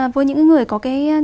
với những người có cái